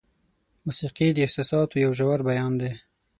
موسیقي د احساساتو یو ژور بیان دی.